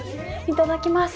いただきます。